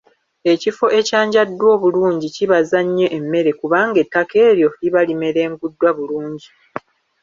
Ekifo ekyanjaddwa obulungi kibaza nnyo emmere kubanga ettaka eryo liba limerenguddwa bulungi.